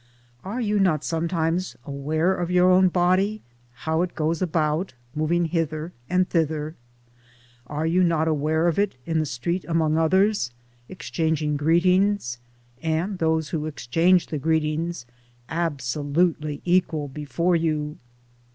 Are you not sometimes aware of your own body how it goes about, moving hither and thither ? are you not aware of it in the street among others, exchanging greetings (and those who exchange the greetings absolutely equal before you)